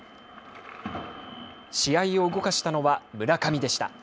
試合を動かしたのは村上でした。